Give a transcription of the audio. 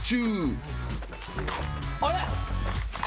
あれ？